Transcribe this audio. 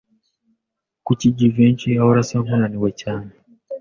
Kuki Jivency ahora asa nkunaniwe cyane?